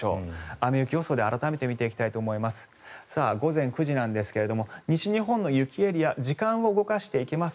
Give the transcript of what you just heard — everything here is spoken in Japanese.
雨・雪予想で改めて見ていきたいと思います。